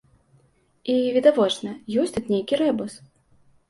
І, відавочна, ёсць тут нейкі рэбус.